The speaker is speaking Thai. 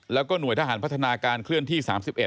แล้วก็หน่วยทหารพัฒนาการเคลื่อนที่๓๑